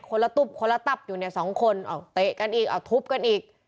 ละตุ๊บคนละตับอยู่เนี่ยสองคนเอาเตะกันอีกเอาทุบกันอีก